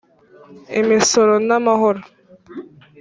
imisoro n amahoro